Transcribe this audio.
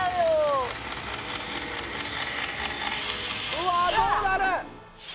うわどうなる？